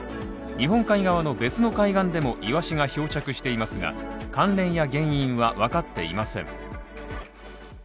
日本海側の別の海岸でもイワシが漂着していますが、関連や原因はわかっていません。